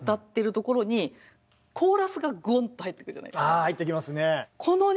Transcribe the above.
あ入ってきますね。